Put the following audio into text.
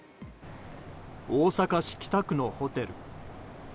大阪市北区のホテル。